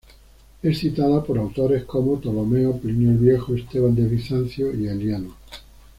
Es citada por autores como Ptolomeo, Plinio el Viejo, Esteban de Bizancio y Eliano.